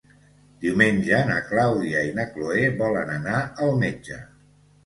Diumenge na Clàudia i na Cloè volen anar al metge.